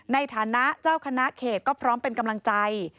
ในฐานะเจ้าคณะเขตก็พร้อมเป็นกำลังใจ